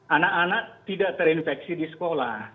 anak anak tidak terinfeksi di sekolah